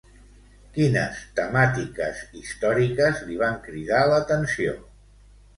Quines temàtiques històriques li van cridar l'atenció?